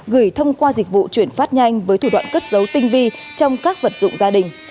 gửi thông qua dịch vụ chuyển phát nhanh với thủ đoạn cất dấu tinh vi trong các vật dụng gia đình